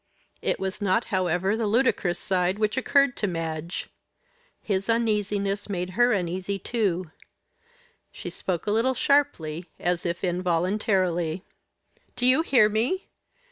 It was not, however, the ludicrous side which occurred to Madge; his uneasiness made her uneasy too. She spoke a little sharply, as if involuntarily. "Do you hear me?